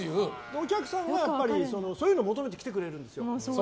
お客さんは、そういうのを求めて来てくれるんです。